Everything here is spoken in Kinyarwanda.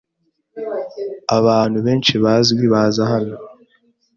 Abantu benshi bazwi baza hano.